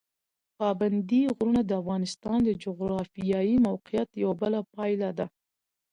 پابندي غرونه د افغانستان د جغرافیایي موقیعت یوه پایله ده.